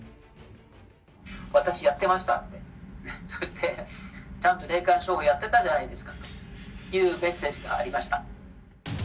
私やってましたって、そしてちゃんと霊感商法やってたじゃないですかというメッセージがありました。